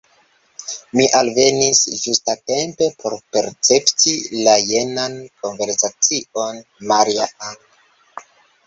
Mi alvenis ĝustatempe por percepti la jenan konversacion: «Maria-Ann! »